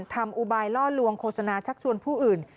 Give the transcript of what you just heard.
อุบายล่อลวงโฆษณาชักชวนผู้อื่น